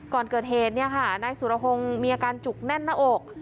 ก่อนเกิดเหตุเนี่ยค่ะนายสุรภงมีอาการจุกแน่นหน้าอก